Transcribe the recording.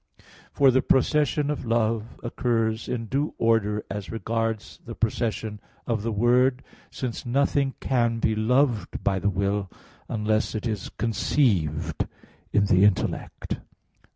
For the procession of love occurs in due order as regards the procession of the Word; since nothing can be loved by the will unless it is conceived in the intellect.